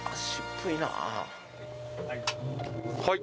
はい。